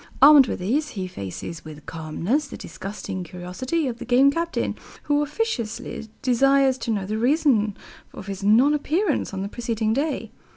Armed with these, he faces with calmness the disgusting curiosity of the Game Captain, who officiously desires to know the reason of his non appearance on the preceding day.